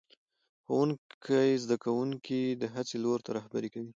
ښوونکی زده کوونکي د هڅې لور ته رهبري کوي